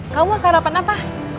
kamu mau sarapan apa